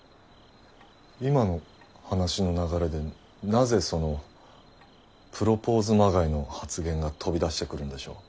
今の話の流れでなぜそのプロポーズまがいの発言が飛び出してくるんでしょう？